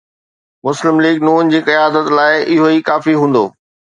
مسلم ليگ ن جي قيادت لاءِ اهو ئي ڪافي هوندو.